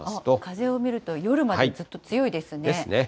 風を見ると、夜までずっと強いですね。ですね。